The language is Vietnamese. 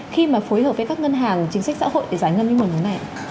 khi mà phối hợp với các ngân hàng chính sách xã hội để giải ngân như một lần này